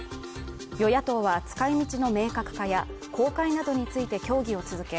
与野党は使いみちの明確化や公開などについて協議を続け